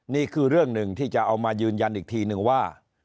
นี่คือเรื่องหนึ่งที่จะเอามายืนยันอีกทีนึงว่า